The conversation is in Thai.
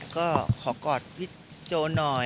ก็ขอกอดพี่โจหน่อย